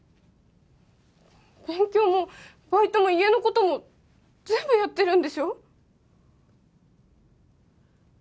勉強もバイトも家のことも全部やってるんでしょ？